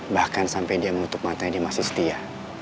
bahkan sampai dia menutup matanya dia masih setia